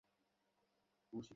আরে, তুই কোন কথাই বলবি না।